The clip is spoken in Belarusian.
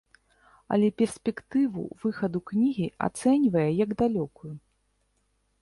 Але перспектыву выхаду кнігі ацэньвае як далёкую.